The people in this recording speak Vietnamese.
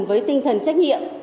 với tinh thần trách nhiệm